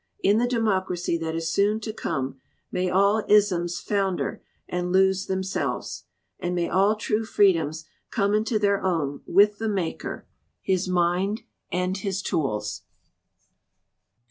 In the democracy that is soon to come may all 'isms' founder and lose themselves! And may all true freedoms come into their own, with the maker, his mind and his tools."